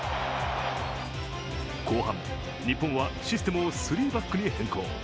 後半、日本はシステムをスリーバックに変更。